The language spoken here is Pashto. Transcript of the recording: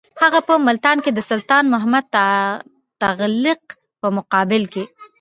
هغه په ملتان کې د سلطان محمد تغلق په مقابل کې.